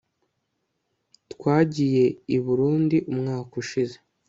twagiye i burundiumwaka ushize